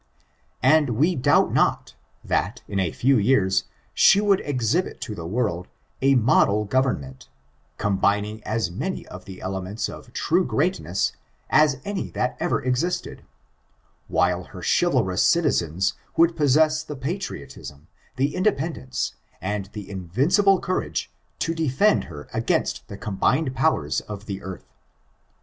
And we doubt not, that, in a few years, she would exhibit to the world a model government, combining as many of the elements of true greatness as any that ever existed ; while her chivalrous citizens would possess the patriotism, tho independence, and the invincible courage to defend her against the combined powers of the earth.